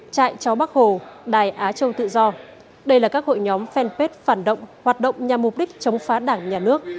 trại cháu bắc hồ đài á châu tự do đây là các hội nhóm fanpage phản động hoạt động nhằm mục đích chống phá đảng nhà nước